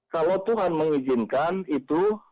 kalau tuhan mengizinkan itu